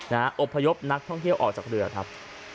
อบพยพนักท่องเที่ยวออกจากเรือครับ